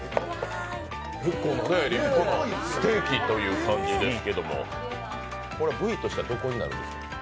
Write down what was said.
立派なステーキという感じですけれども、部位としてはどこになるんですか？